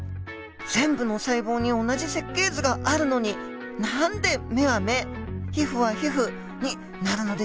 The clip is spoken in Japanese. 全部の細胞に同じ設計図があるのに何で目は目皮膚は皮膚になるのでしょうか？